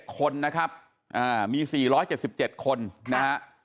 คนนะครับมี๔๗๗คนนะฮะ